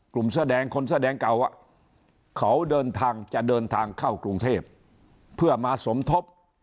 กลุ่มคนแสดงเก่าเขาจะเดินทางเข้ากรุงเทพเพื่อมาสมทบ